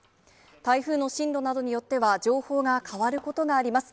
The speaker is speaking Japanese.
台風の進路などによっては情報が変わることがあります。